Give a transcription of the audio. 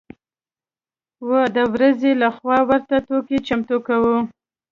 و د ورځې له خوا ورته توکي چمتو کوي.